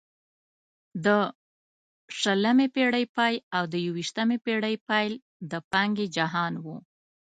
د شلمې پېړۍ پای او د یوویشتمې پېړۍ پیل د پانګې جهان وو.